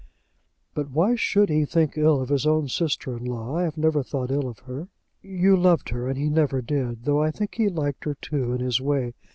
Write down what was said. "But why should he think ill of his own sister in law? I have never thought ill of her." "You loved her, and he never did; though I think he liked her too in his way.